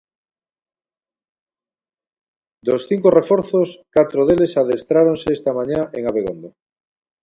Dos cinco reforzos, catro deles adestráronse esta mañá en Abegondo.